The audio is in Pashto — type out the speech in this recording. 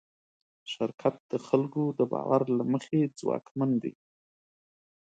شرکت د خلکو د باور له مخې ځواکمن دی.